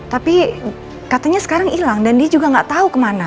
tapi katanya sekarang hilang dan dia juga nggak tahu kemana